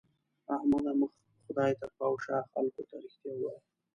احمده! مخ خدای ته کړه او شا خلګو ته؛ رښتيا ووايه.